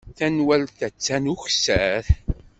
Tanwalt attan ukessar.